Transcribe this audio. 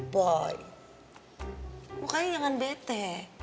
boy bukannya jangan bete